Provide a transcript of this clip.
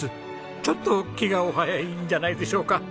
ちょっと気がお早いんじゃないでしょうか？